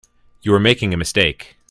You are making a mistake.